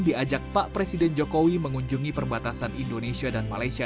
diajak pak presiden jokowi mengunjungi perbatasan indonesia dan malaysia